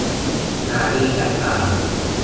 อย่าดีแต่ปาก